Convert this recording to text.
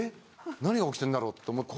何が起きてんだろ？と思って。